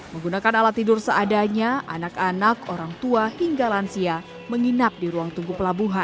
menggunakan alat tidur seadanya anak anak orang tua hingga lansia menginap di ruang tunggu pelabuhan